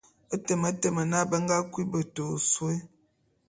E temetem na, be nga kui beta ôsôé.